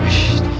kak kak kak kak